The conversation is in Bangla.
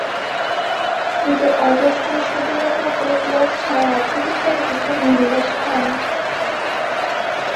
নিজের অবস্থান সুদৃঢ় করতে ফিরোজ শাহ রাজ্য বিস্তারের দিকে মনোনিবেশ করেন।